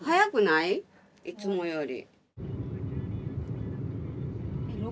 いつもより。